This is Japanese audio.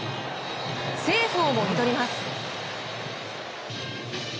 セーフをもぎ取ります。